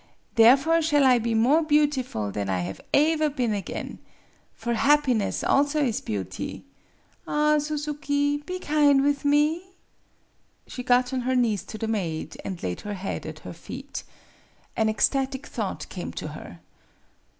Therefore shall I be more beautiful than I have aever been again. For happiness also is beauty. Ah, Suzuki, be kine with me! " She got on her knees to the maid, and laid her head at her feet. An ecstatic thought came to her.